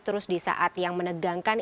terus di saat yang menegangkan